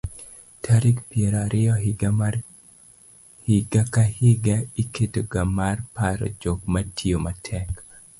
tarik piero ariyo higa ka higa iketoga mar paro jok matiyo matek